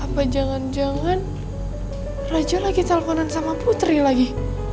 apa jangan jangan raja lagi salmanan sama putri lagi